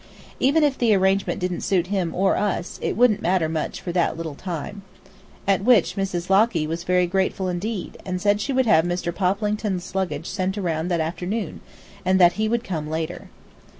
Even if the arrangement didn't suit him or us, it wouldn't matter much for that little time. At which Mrs. Locky was very grateful indeed, and said she would have Mr. Poplington's luggage sent around that afternoon, and that he would come later.